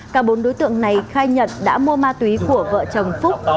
cả bốn đối tượng này khai nhận đã mua ma túy của vợ chồng phúc